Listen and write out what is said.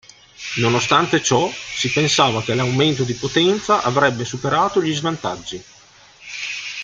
Nonostante ciò, si pensava che l'aumento di potenza avrebbe superato gli svantaggi.